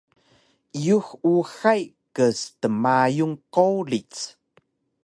iyux uxay kstmayun qowlic